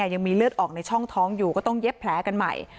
ยังมีเลือดออกในช่องท้องอยู่ก็ต้องเย็บแผลกันใหม่